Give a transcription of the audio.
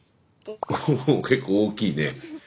おお結構大きいね。